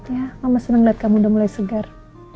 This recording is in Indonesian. ya mama seneng liat kamu udah mulai segar